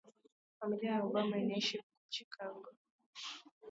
Familia ya Obama inaishi huko Chicago